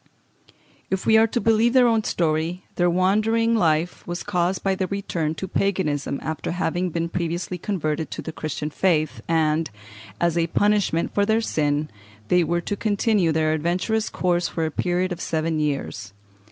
If we are to believe their own story, their wandering life was caused by their return to Paganism after having been previously converted to the Christian faith, and, as a punishment for their sin, they were to continue their adventurous course for a period of seven years.